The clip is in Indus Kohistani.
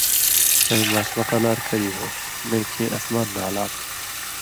ݜَیں ماسمہ قلار کری ہوش نَیں کھیں اسمان نھالا تھو